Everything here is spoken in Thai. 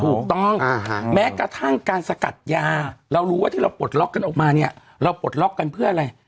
ถูกต้องแม้กระทั่งการสกัดยาเรารู้ว่าที่เราปลดล็อกกันออกมาเนี่ยเราปลดล็อกกันเพื่ออะไร